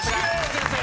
先生。